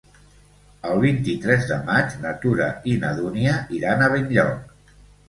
El vint-i-tres de maig na Tura i na Dúnia iran a Benlloc.